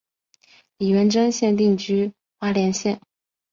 李元贞现定居花莲县。